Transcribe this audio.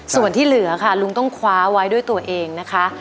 ส่วนที่เหลือค่ะลุงต้องคว้าไว้ด้วยตัวเองนะคะ